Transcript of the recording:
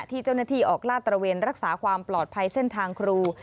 ที่เจ้าหน้าที่ออกลาดตระเวนรักษาความปลอดภัยเส้นทางครู